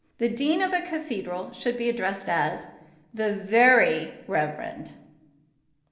The dean of a cathedral should be addressed as "The Very Reverend ——."